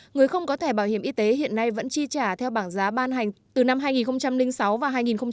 người không có thẻ bảo hiểm y tế hiện nay vẫn chi trả theo bảng giá ban hành từ năm hai nghìn sáu và hai nghìn một mươi